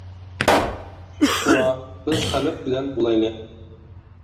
شۇڭا، بىز خەلق بىلەن بولايلى.